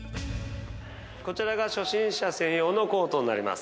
こちらが初心者専用のコートになります。